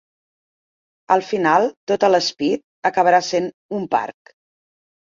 Al final tot el Spit acabarà sent un parc